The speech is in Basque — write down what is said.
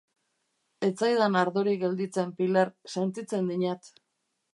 Ez zaidan ardorik gelditzen, Pilar, sentitzen dinat.